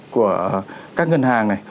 của các ngân hàng này